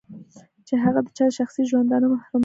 چې هغه د چا د شخصي ژوندانه محرمات وي.